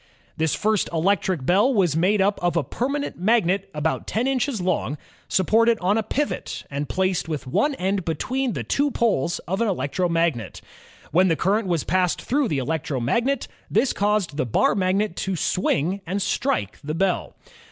This first electric bell was made up of a permanent magnet about ten inches long, supported on a pivot, and placed with one end be tween the two poles of an electric magnet. When the current was passed through the electromagnet, this caused the bar magnet to swing and strike the bell.